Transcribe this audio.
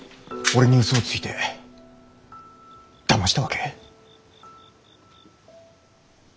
俺にウソをついてだましたわけ？